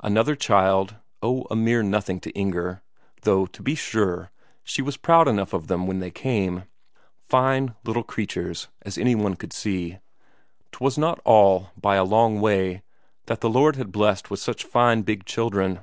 Another child oh, a mere nothing to Inger! Though, to be sure, she was proud enough of them when they came. Fine little creatures, as any one could see. 'Twas not all, by a long way, that the Lord had blessed with such fine big children.